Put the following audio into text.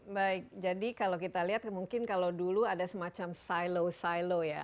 baik jadi kalau kita lihat mungkin kalau dulu ada semacam silo silo ya